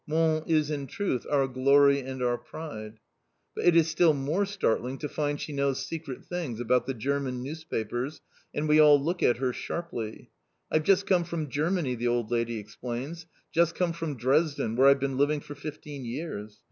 Mons is, in truth, our glory and our pride! But it is still more startling to find she knows secret things about the German newspapers, and we all look at her sharply. "I've just come from Germany!" the old lady explains. "Just come from Dresden, where I've been living for fifteen years.